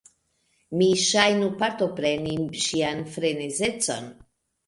Mi ŝajnu partopreni ŝian frenezecon.